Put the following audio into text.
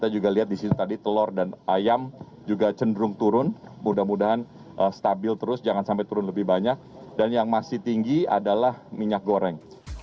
jangan sampai turun lebih banyak dan yang masih tinggi adalah minyak goreng